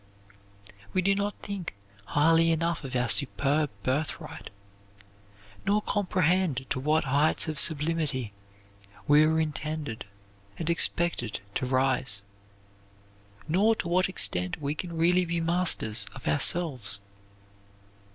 We do not think highly enough of our superb birthright, nor comprehend to what heights of sublimity we were intended and expected to rise, nor to what extent we can really be masters of ourselves.